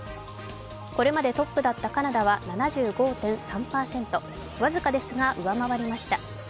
これまでトップだったカナダは７５．３％僅かですが、上回りました。